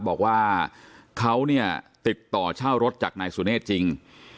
บอกว่าเขาเนี่ยติดต่อเช่ารถจากนายสุเนธจริง